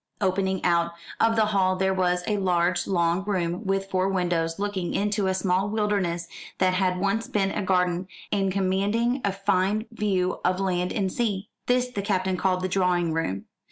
Opening out of the hall there was a large long room with four windows looking into a small wilderness that had once been a garden, and commanding a fine view of land and sea. This the Captain called the drawing room.